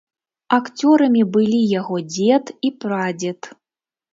Акцёрамі былі яго дзед і прадзед.